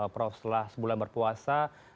prof setelah sebulan berpuasa